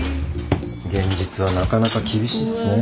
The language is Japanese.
現実はなかなか厳しいっすね。